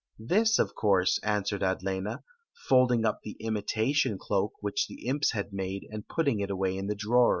This, of course," answered Adlena, folding up the imitatiofi cloak which the imps had made, and putting it away in the drawer.